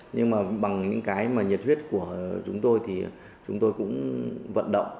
nhưng mà bằng những cái mà nhiệt huyết của chúng tôi thì chúng tôi cũng vận động